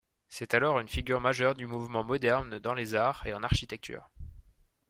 C’est alors une figure majeure du mouvement moderne dans les arts et en architecture.